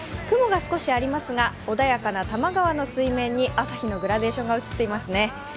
雲が少しありますが、穏やかな多摩川の水面に朝日のグラデーションが映っていますね。